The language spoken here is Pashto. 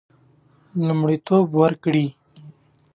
لومړیتوب ورکړي.